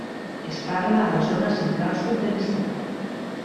Es parla a la zona central-sud de l'Estat.